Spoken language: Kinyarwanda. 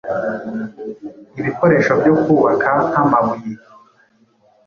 ibikoresho byo kubaka nk’amabuye,